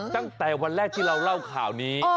ตั้งแต่วันแรกที่เราเล่าข่าวนี้